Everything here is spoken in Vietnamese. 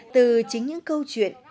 từ chính những câu chuyện